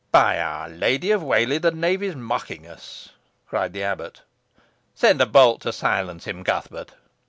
"By our Lady of Whalley, the knave is mocking us," cried the abbot; "send a bolt to silence him, Cuthbert."